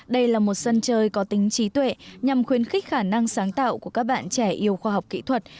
đây là một sân chơi có tính trí tuệ nhằm khuyến khích khả năng sáng tạo của các bạn trẻ yêu khoa học kỹ thuật